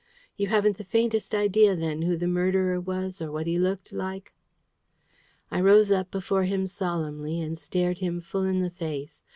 You haven't the faintest idea, then, who the murderer was or what he looked like?" I rose up before him solemnly, and stared him full in the face.